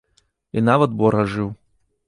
І нават бор ажыў.